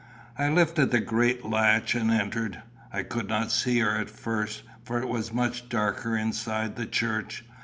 I lifted the great latch and entered. I could not see her at first, for it was much darker inside the church.